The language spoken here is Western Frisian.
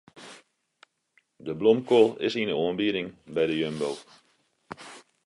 De blomkoal is yn de oanbieding by de Jumbo.